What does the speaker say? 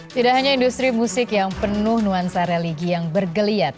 tidak hanya industri musik yang penuh nuansa religi yang bergeliat